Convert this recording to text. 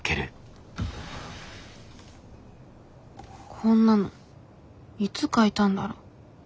こんなのいつ書いたんだろ。